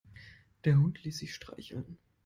Der Hund ließ sich streicheln.